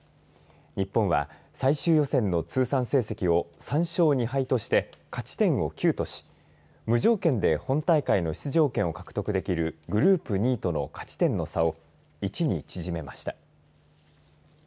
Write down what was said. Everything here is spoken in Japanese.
日本は、最終予選の通算成績を３勝２敗として勝ち点を９とし無条件で本大会の出場権を獲得できるグループ２位との勝ち点の差を１に縮めました。